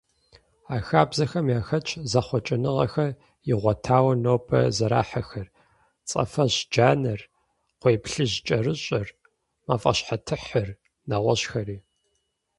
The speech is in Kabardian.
А хабзэхэм яхэтщ зэхъуэкӀыныгъэхэр игъуэтауэ нобэ зэрахьэхэр: цӀэфӀэщджанэр, кхъуейплъыжькӀэрыщӀэр, мафӀащхьэтыхьыр, нэгъуэщӀхэри.